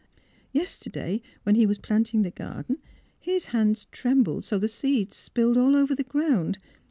Yesterday when he was planting the garden his hands trembled so the seeds spilled all over the ground.